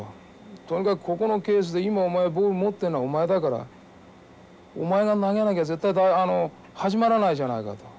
とにかくここのケースで今お前はボール持ってんのはお前だからお前が投げなきゃあの始まらないじゃないかと。